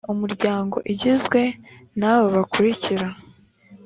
umuryango igizwe n’aba bakurikira